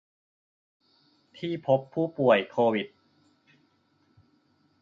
ที่พบผู้ป่วยโควิด